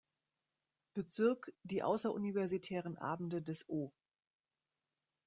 Bezirk die außeruniversitären Abende des „O.